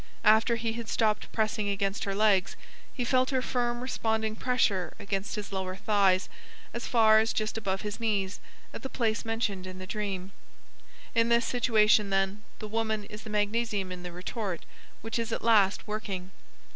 After he had stopped pressing against her legs, he felt her firm responding pressure against his lower thighs as far as just above his knees, at the place mentioned in the dream. In this situation, then, the woman is the magnesium in the retort, which is at last working.